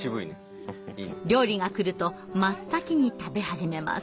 料理が来ると真っ先に食べ始めます。